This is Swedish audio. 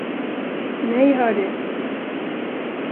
Nej, hör du!